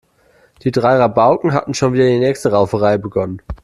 Die drei Rabauken hatten schon wieder die nächste Rauferei begonnen.